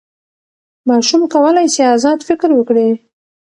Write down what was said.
ماشوم کولی سي ازاد فکر وکړي.